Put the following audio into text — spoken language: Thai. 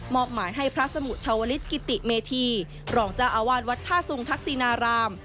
หมายให้พระสมุชาวลิศกิติเมธีรองเจ้าอาวาสวัดท่าสุงทักษินาราม